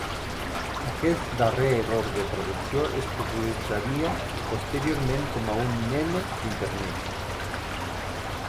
Aquest darrer error de traducció es popularitzaria posteriorment com a un "meme" d'Internet.